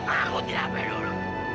aku tidak pedul